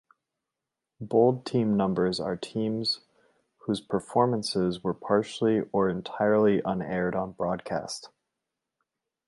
Bold team numbers are teams whose performances were partially or entirely unaired on broadcast.